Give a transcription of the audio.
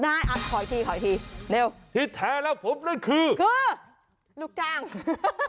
ความลับของแมวความลับของแมวความลับของแมว